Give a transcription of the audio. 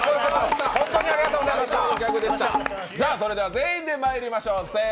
全員でまいりましょう。